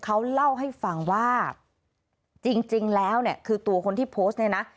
เขาเล่าให้ฟังว่าจริงแล้วเนี่ยคือตัวคนที่โพสต์เนี่ยนะ